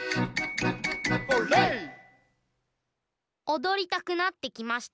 おどりたくなってきましたね。